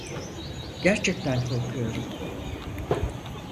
Gerçekten korkuyorum.